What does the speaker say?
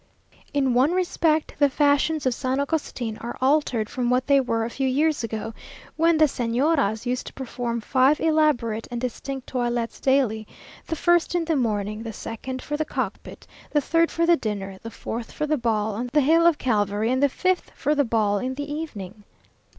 In one respect the fashions of San Agustin are altered from what they were a few years ago, when the Señoras used to perform five elaborate and distinct toilets daily; the first in the morning, the second for the cockfight, the third for the dinner, the fourth for the ball on the hill of Calvary, and the fifth for the ball in the evening.